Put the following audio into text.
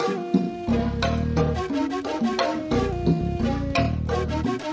jangan lupa subscribe siang